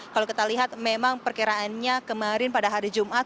kalau kita lihat memang perkiraannya kemarin pada hari jumat